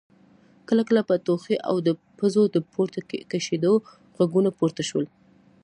کله کله به ټوخی او د پزو د پورته کشېدو غږونه پورته شول.